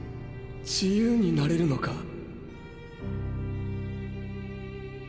自由になれるのか？